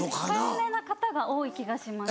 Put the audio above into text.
控えめな方が多い気がします